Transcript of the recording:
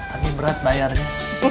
aduh berat bayarnya